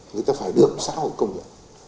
người ta phải được xã hội công nhận